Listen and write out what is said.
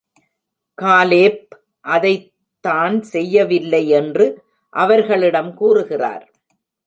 Caleb அதைத் தான் செய்யவில்லை என்று அவர்களிடம் கூறுகிறார்.